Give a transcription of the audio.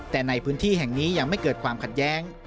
แต่ในพื้นที่แห่งนี้ยังไม่เกิดความขัดแย้ง